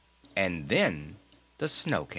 "And then the snow came!"